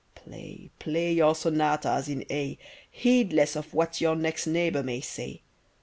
Play, play, your sonatas in A, Heedless of what your next neighbour may say!